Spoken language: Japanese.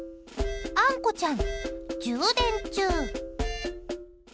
あんこちゃん、充電中。